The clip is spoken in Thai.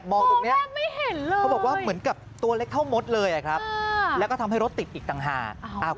ตรงนี้ไม่เห็นเลยเขาบอกว่าเหมือนกับตัวเล็กเท่ามดเลยครับแล้วก็ทำให้รถติดอีกต่างหาก